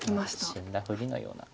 死んだふりのような。